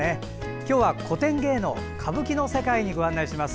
今日は古典芸能歌舞伎の世界にご案内します。